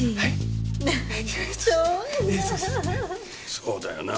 そうだよな。